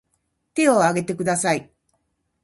手を挙げてください